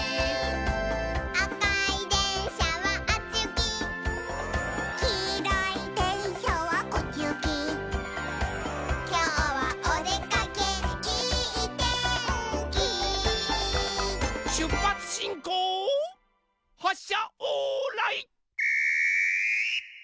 「あかいでんしゃはあっちゆき」「きいろいでんしゃはこっちゆき」「きょうはおでかけいいてんき」しゅっぱつしんこうはっしゃオーライ。